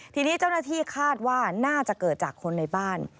ทีนี้เจ้าหน้าที่คาดว่าน่าจะเกิดจากคนในบ้าน